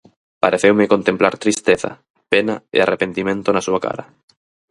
Pareceume contemplar tristeza, pena e arrepentimento na súa cara.